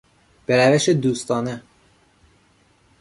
به روش دوستانه